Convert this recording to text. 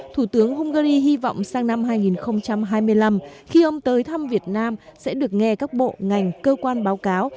thủ tướng hungary hy vọng sang năm hai nghìn hai mươi năm khi ông tới thăm việt nam sẽ được nghe các bộ ngành cơ quan báo cáo